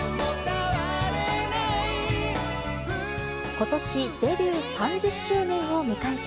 ことしデビュー３０周年を迎えた